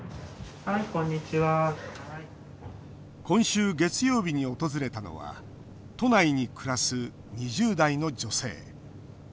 今週月曜日に訪れたのは都内に暮らす２０代の女性。